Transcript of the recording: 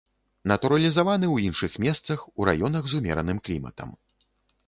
Натуралізаваны ў іншых месцах, у раёнах з умераным кліматам.